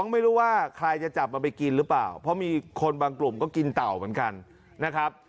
ไม่รู้ว่าใครจะจับมันไปกินหรือเปล่าเพราะมีคนบางกลุ่มก็กินเต่าเหมือนกันนะครับ